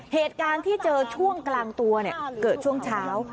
เหตุการณ์ที่เจอช่วงกลางตัวเกิดช่วงเช้า